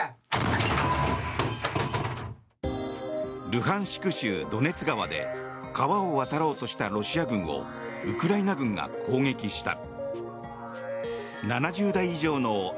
ルハンシク州ドネツ川で川を渡ろうとしたロシア軍をウクライナ軍が攻撃した。